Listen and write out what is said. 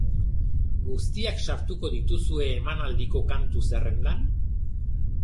Guztiak sartuko dituzue emanaldiko kantu zerrendan?